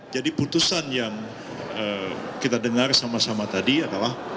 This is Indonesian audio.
jadi putusan yang kita dengar sama sama tadi adalah